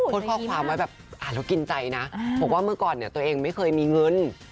โพสต์ข้อความไว้แบบอ่านแล้วกินใจนะบอกว่าเมื่อก่อนเนี่ยตัวเองไม่เคยมีเงิน